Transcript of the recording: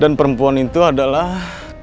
dan perempuan itu adalah